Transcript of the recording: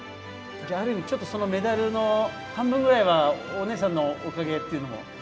じゃあ、ある意味、そのメダルの半分ぐらいは、お姉さんのおかげというのも？